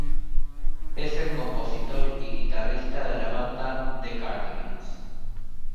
Es el compositor y guitarrista de la banda, The Cardigans.